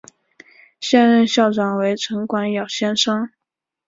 现任校长为陈广尧先生。